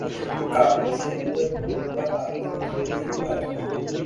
কাব্য সাহিত্যের অনুবাদ আক্ষরিক হতেই পারে না।